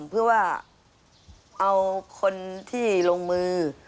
เพื่อว่าเอาคนที่ลงมือ